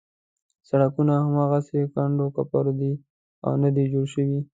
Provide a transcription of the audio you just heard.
سړکونه هماغسې کنډو کپر دي او نه دي جوړ شوي.